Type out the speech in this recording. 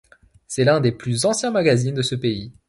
C'est l'un des plus anciens magazines de ce pays.